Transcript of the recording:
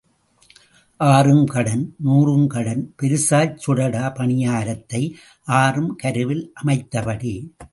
ஆறும் கடன் நூறும் கடன், பெரிசாச் சுடடா பணியாரத்தை, ஆறும் கருவில் அமைத்தபடி.